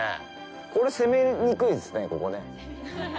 これ攻めにくいですね、ここね。